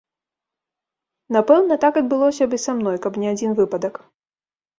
Напэўна, так адбылося б і са мной, каб не адзін выпадак.